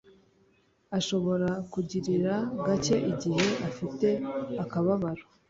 ashobora kurira gake igihe afite akababaro